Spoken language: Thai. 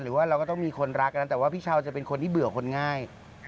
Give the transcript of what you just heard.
หรือว่าเราก็ต้องมีคนรักนะแต่ว่าพี่เช้าจะเป็นคนที่เบื่อคนง่าย